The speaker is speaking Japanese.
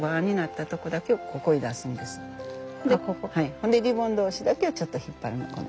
ほんでリボン同士だけをちょっと引っ張るの。